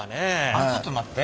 あっちょっと待って。